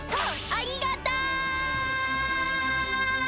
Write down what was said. ありがとう！